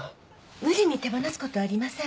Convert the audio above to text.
無理に手放すことありません。